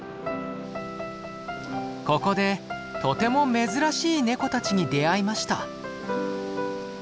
ここでとても珍しいネコたちに出会いました。